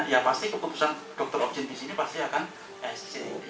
ya pasti keputusan dokter objek di sini pasti akan sc